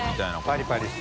パリパリして。